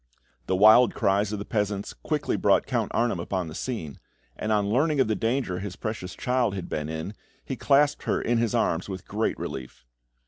The wild cries of the peasants quickly brought Count Arnheim upon the scene, and on learning of the danger his precious child had been in, he clasped her in his arms with great relief.